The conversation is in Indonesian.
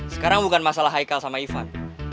sekarang bukan masalah haikal sama ivan